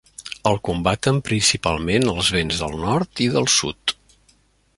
El combaten principalment els vents del nord i del sud.